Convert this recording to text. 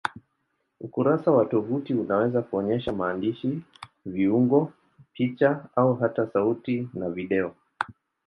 Ukurasa wa tovuti unaweza kuonyesha maandishi, viungo, picha au hata sauti na video.